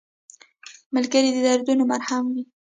ملګری د دردونو مرهم وي